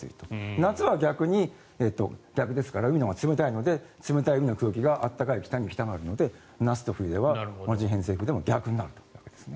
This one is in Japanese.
夏は逆ですから海のほうが冷たいので冷たい海の空気が暖かい北に行きたがるので夏と冬では同じ偏西風でも逆になるんですね。